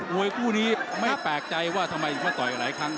เบอยกู้นี่ไม่แปลกใจว่าทำไมไม่ต่อยกันหลายครั้ง